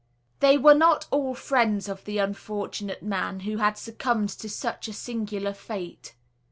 They were not all friends of the unfortunate man, who had succumbed to such a singular fate.